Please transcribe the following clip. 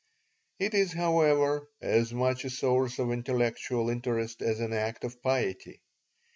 It is, however, as much a source of intellectual interest as an act of piety.